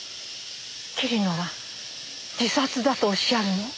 桐野は自殺だとおっしゃるの？